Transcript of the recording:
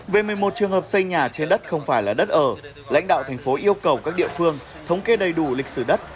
về một mươi một trường hợp xây nhà trên đất không phải là đất ở lãnh đạo thành phố yêu cầu các địa phương thống kê đầy đủ lịch sử đất